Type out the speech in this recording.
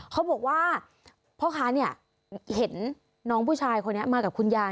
เขาบอกว่าพ่อค้าเนี่ยเห็นน้องผู้ชายคนนี้มากับคุณยาย